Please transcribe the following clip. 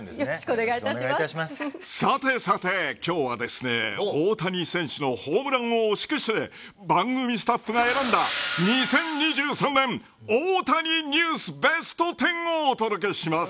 さてさて、今日は大谷選手のホームラン王を祝して番組スタッフが選んだ２０２３年大谷ニュースベスト１０をお届けします。